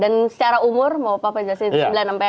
dan secara umur mau papa jelasin